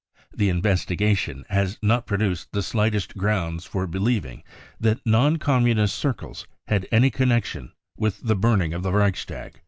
The investi gation has not produced the slightest grounds for believ ing that non Commnnist circles had any connection with the burning of the Reichstag.